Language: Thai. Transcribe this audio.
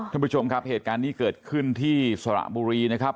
ท่านผู้ชมครับเหตุการณ์นี้เกิดขึ้นที่สระบุรีนะครับ